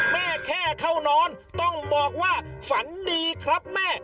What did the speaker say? แค่เข้านอนต้องบอกว่าฝันดีครับแม่